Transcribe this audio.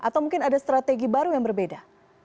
atau mungkin ada strategi baru yang berbeda